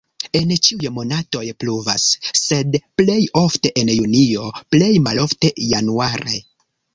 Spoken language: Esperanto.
En ĉiuj monatoj pluvas, sed plej ofte en junio, plej malofte januare.